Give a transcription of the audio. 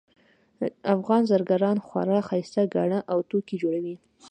افغان زرګران خورا ښایسته ګاڼه او توکي جوړوي